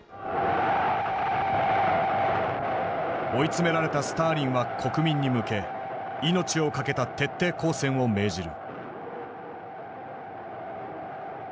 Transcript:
追い詰められたスターリンは国民に向け命を懸けた徹底抗戦を命じる。